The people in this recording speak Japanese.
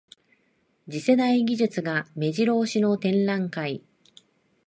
次世代技術がめじろ押しの展覧会